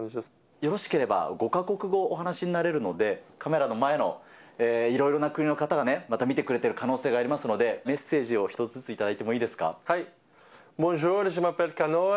よろしければ、５か国語、お話になられるので、カメラの前で、いろいろな国の方がね、また見てくれてる可能性がありますので、メッセージを一つずついただいてもいいですか。